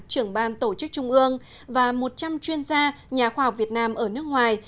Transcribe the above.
trưởng ban tổ chức trung ương và một trăm linh chuyên gia nhà khoa học việt nam ở nước ngoài